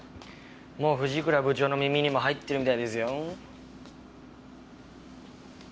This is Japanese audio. もう藤倉部長の耳にも入ってるみたいですよ。